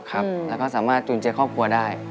แล้วก็สามารถจุนเจครอบครัวได้